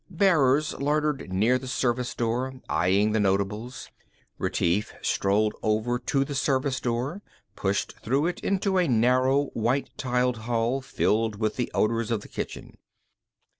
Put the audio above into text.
Bearers loitered near the service door, eyeing the notables. Retief strolled over to the service door, pushed through it into a narrow white tiled hall filled with the odors of the kitchen.